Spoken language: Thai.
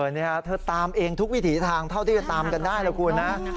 นี่เธอตามเองทุกวิถีทางเท่าที่จะตามกันได้ล่ะคุณนะ